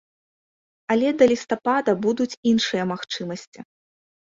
Але да лістапада будуць іншыя магчымасці.